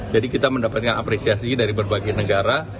kita mendapatkan apresiasi dari berbagai negara